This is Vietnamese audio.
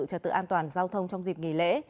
trật tự an toàn giao thông trong dịp nghỉ lễ